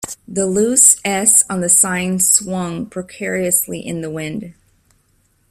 The loose S on the sign swung precariously in the wind.